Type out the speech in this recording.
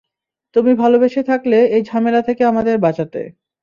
তুমি ভালোবেসে থাকলে, এই ঝামেলা থেকে আমাদের বাঁচাতে!